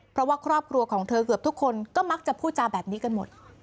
เพราะว่าครอบครัวของเธอเกือบทุกคนก็มักจะพูดจาแบบนี้กันหมด